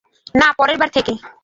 না, পরের বার থেকে।